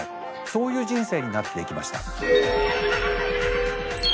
そういう人生になっていきました。